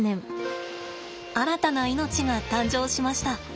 新たな命が誕生しました。